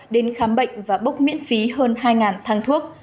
đến khám bệnh và bốc miễn phí hơn hai thang thuốc